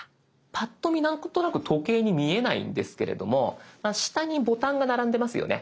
パッと見なんとなく時計に見えないんですけれども下にボタンが並んでますよね。